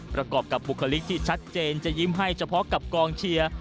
ประกอบกับบุคลิกที่ชัดเจนจะยิ้มให้เฉพาะกับกองเชียร์